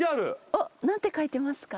何て書いてますか？